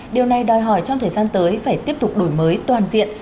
điều này đòi hỏi trong thời gian tới phải tiếp tục đổi mới toàn diện